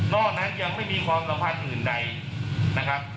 นอกนั้นยังไม่มีความรับบ้านอื่นใดนะครับ